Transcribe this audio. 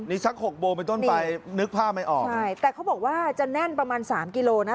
นี่สักหกโมงเป็นต้นไปนึกภาพไม่ออกใช่แต่เขาบอกว่าจะแน่นประมาณสามกิโลนะ